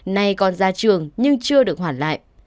nay còn ra trường nhưng chưa được hoàn lại